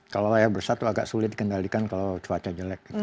kalau layar besar itu agak sulit dikendalikan kalau cuaca jelek